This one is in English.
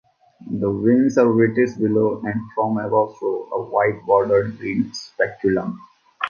The wings are whitish below, and from above show a white-bordered green speculum.